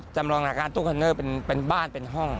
จำลองหน้ากลางหน้ากลางหน้าตู้คอนเนอร์เป็นบ้านเป็นห้อง